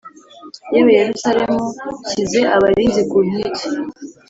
Yewe yerusalemu nshyize abarinzi ku nkike